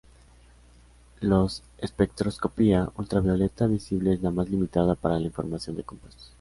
La espectroscopia ultravioleta-visible es la más limitada para la información de compuestos.